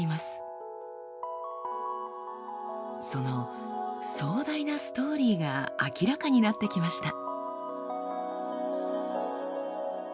その壮大なストーリーが明らかになってきました。